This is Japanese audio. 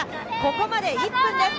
ここまで１分です。